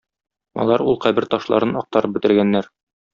Алар ул кабер ташларын актарып бетергәннәр.